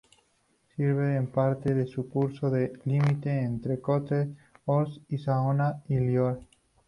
Sirve en parte de su curso de límite entre Côte-d’Or y Saona y Loira.